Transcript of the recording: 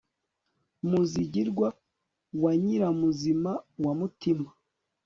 muzigirwa wa nyiramuzima wa mutima